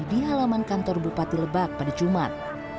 di halaman kantor bupati lebak pada jumat